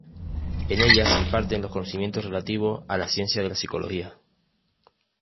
En ella se imparten los conocimientos relativos a la ciencia de la Psicología.